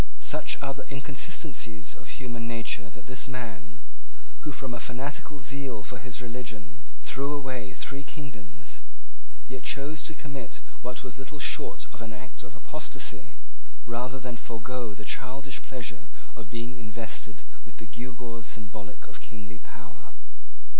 Such are the inconsistencies of human nature that this man, who, from a fanatical zeal for his religion, threw away three kingdoms, yet chose to commit what was little short of an act of apostasy, rather than forego the childish pleasure of being invested with the gewgaws symbolical of kingly power.